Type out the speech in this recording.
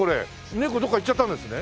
ネコがどっか行っちゃったんですね。